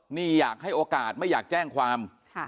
นี่อยากให้โอกาสไม่อยากแจ้งความ